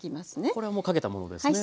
これはもうかけたものですね。